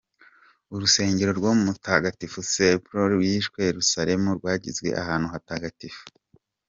Urusengero rwa Mutagatifu Sepulchre rw’i Yerusalemu rwagizwe ahantu hatagatifu.